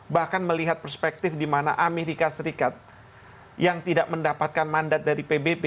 bahkan melihat perspektif di mana amerika serikat yang tidak mendapatkan mandat dari pbb